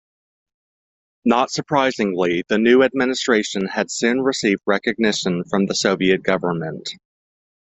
Not surprisingly, the new "administration" had soon received recognition from the Soviet government.